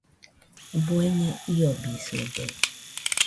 ¿Bueñe iobisɨde?